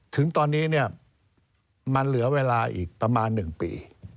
ถึงตอนนี้เนี่ยมันเหลือเวลาอีกประมาณ๑ปี